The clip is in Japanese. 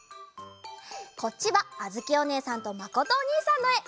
こっちはあづきおねえさんとまことおにいさんのえ。